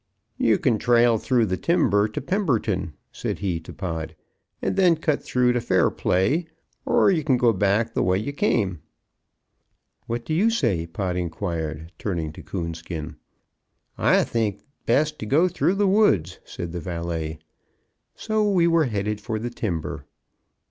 "You kin trail through the timber to Pemberton," said he to Pod, "and then cut through to Fairplay, er you kin go back the way ye came." "What do you say?" Pod inquired, turning to Coonskin. "I think best to go through the woods," said the valet. So we were headed for the timber.